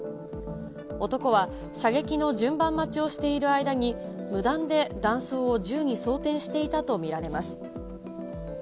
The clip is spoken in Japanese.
男は射撃の順番待ちをしている間に、無断で弾倉を銃に装填していたと見られます。